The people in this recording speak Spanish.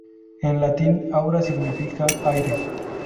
En latín, "aura" significa "aire".